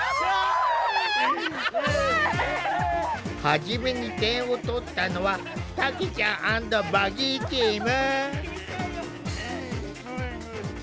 初めに点を取ったのはたけちゃん＆ヴァギーチーム。